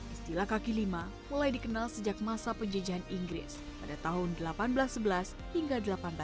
istilah kaki lima mulai dikenal sejak masa penjejahan inggris pada tahun seribu delapan ratus sebelas hingga seribu delapan ratus